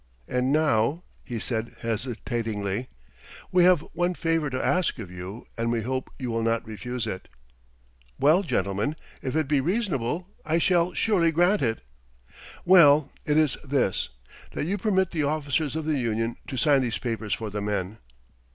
And now," he said hesitatingly, "we have one favor to ask of you, and we hope you will not refuse it." "Well, gentlemen, if it be reasonable I shall surely grant it." "Well, it is this: That you permit the officers of the union to sign these papers for the men."